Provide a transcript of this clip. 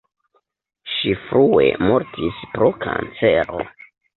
Ŝi frue mortis pro kancero.